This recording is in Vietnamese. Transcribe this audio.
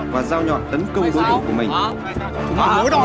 và giao nhọn tấn công đối tượng của mình